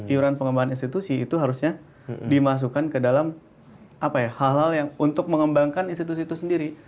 iuran pengembangan institusi itu harusnya dimasukkan ke dalam hal hal yang untuk mengembangkan institusi itu sendiri